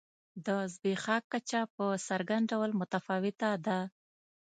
د زبېښاک کچه په څرګند ډول متفاوته ده.